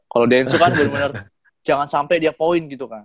kalau denso kan bener bener jangan sampai dia poin gitu kan